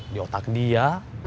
di otak dia